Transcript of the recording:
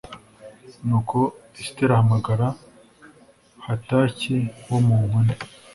nuko esiteri ahamagaza hataki wo mu nkone